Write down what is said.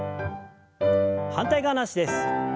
反対側の脚です。